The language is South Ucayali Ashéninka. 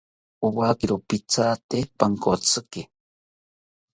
Owakiro pithate pankotziki